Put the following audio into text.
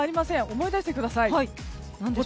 思い出してください。